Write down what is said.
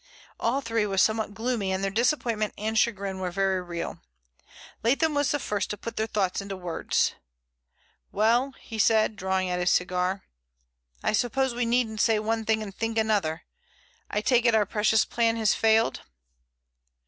All three were somewhat gloomy, and their disappointment and chagrin were very real. Leatham was the first to put their thoughts into words. "Well," he said, drawing at his cigar, "I suppose we needn't say one thing and think another. I take it our precious plan has failed?"